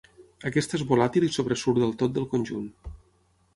Aquesta és volàtil i sobresurt del tot del conjunt.